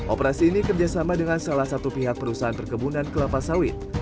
operasi ini kerjasama dengan salah satu pihak perusahaan perkebunan kelapa sawit